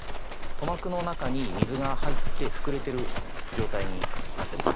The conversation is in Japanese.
塗膜の中に水が入って膨れている状態になっています。